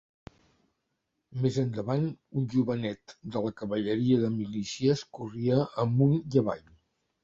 Més endavant, un jovenet de la cavalleria de milícies corria amunt i avall